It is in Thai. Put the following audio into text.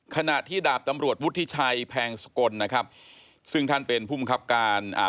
ขณะที่ดาบตำรวจวุฒิชัยแพงสกลนะครับซึ่งท่านเป็นผู้มังคับการอ่า